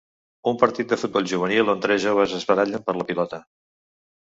Un partir de futbol juvenil on tres joves es barallen per la pilota.